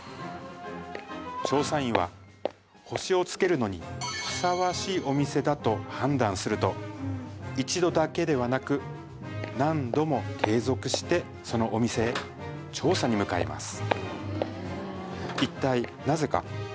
調査員は星をつけるのにふさわしいお店だと判断すると一度だけではなく何度も継続してそのお店へ調査に向かいます